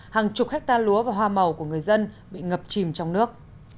hàng chục hectare lúa và hoa màu của người dân bị ngập chìm trong nước